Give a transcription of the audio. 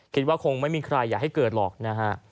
คิดว่าคงไม่มีใครอยากให้เกิดหรอกนะฮะ